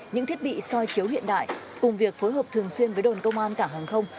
những thiết bị soi chiếu hiện đại cùng việc phối hợp thường xuyên với đồn công an cảng hàng không